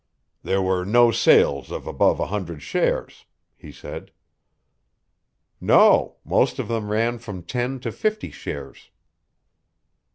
"There were no sales of above a hundred shares," he said. "No most of them ran from ten to fifty shares."